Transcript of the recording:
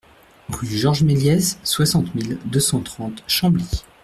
Rue Georges Méliés, soixante mille deux cent trente Chambly